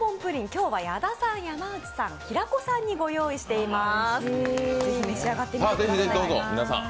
今日は矢田さん、山内さん、平子さんにご用意しています。